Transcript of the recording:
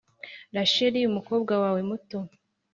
Rasheli umukobwa wawe muto